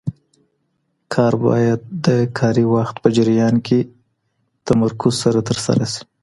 کار باید د کاري وخت په جریان کې تمرکز سره ترسره شي.